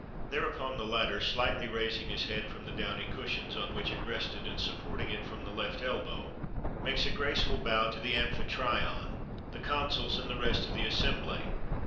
Thereupon, the latter, slightly raising his head from the downy cushions on which it rested, and supporting it from the left elbow,[XXXV 55] makes a graceful bow to the amphitryon, the consuls, and the rest of the assembly.